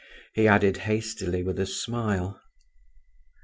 he added, hastily, with a smile.